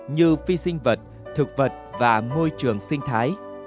như phi sinh vật thực vật và môi trường sinh thái